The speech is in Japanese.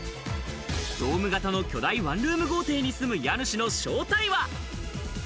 ドーム型の巨大ワンルーム豪邸に住む家主の正体は？